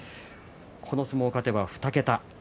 この相撲、勝てば２桁。